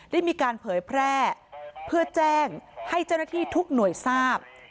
ได้มีการเผยแพร่เพื่อแจ้งให้เจ้าหน้าที่ทุกหน่วยทราบ